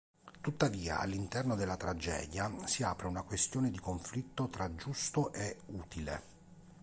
Tuttavia all'interno della tragedia si apre una questione di conflitto tra giusto e utile.